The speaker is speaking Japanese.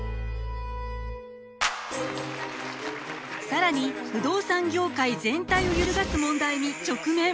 更に不動産業界全体を揺るがす問題に直面！